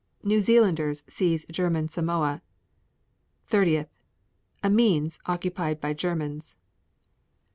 New Zealanders seize German Samoa. 30. Amiens occupied by Germans.